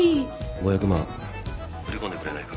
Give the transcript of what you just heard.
「５００万振り込んでくれないか」